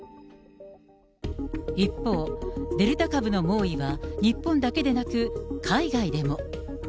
一方、デルタ株の猛威は、日本だけでなく海外でも。